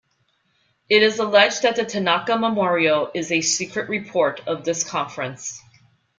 It is alleged that the Tanaka Memorial is a secret report of this Conference.